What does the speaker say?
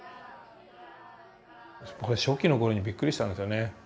初期の頃にびっくりしたんですよね。